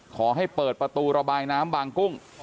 ขอให้เปิดประตูระบายน้ำบางกุ้ง